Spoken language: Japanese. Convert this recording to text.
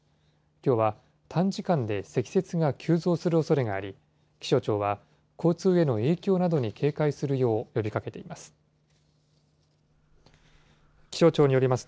きょうは短時間で積雪が急増するおそれがあり、気象庁は、交通への影響などに警戒するよう呼びかけています。